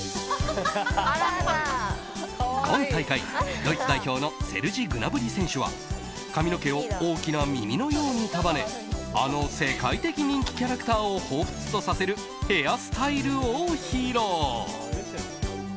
今大会、ドイツ代表のセルジ・グナブリ選手は髪の毛を大きな耳のように束ねあの世界的人気キャラクターを彷彿とさせるヘアスタイルを披露。